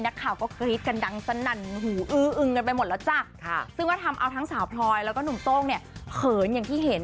นักข่าวก็คิดกันดังสนั่นหูอื้ออึ้งกันไปหมดแล้วจ้ะซึ่งเอาทั้งสาวพลอยและหนุ่มโต้งเขินอย่างที่เห็น